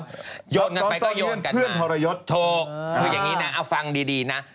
ซับซ้อนเงื่อนเพื่อนธรยศถูกคืออย่างนี้นะเอาฟังดีนะ